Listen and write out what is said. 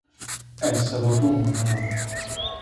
Ez seba to mırenan.